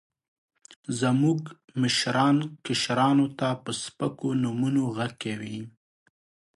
زموږ مشران، کشرانو ته په سپکو نومونو غږ کوي.